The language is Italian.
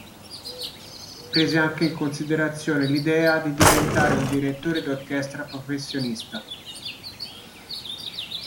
Prese anche in considerazione l'idea di diventare un direttore d'orchestra professionista.